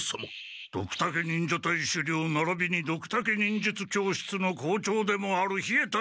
ドクタケ忍者隊首領ならびにドクタケ忍術教室の校長でもある稗田